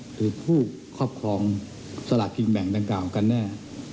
หรือผู้ครอบครองสลากกินแบ่งดังกล่าวกันแน่